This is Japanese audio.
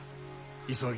急ぎ